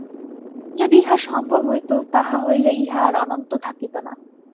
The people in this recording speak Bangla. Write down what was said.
যদি ইহা সম্ভব হইত, তাহা হইলে ইহা আর অনন্ত থাকিত না।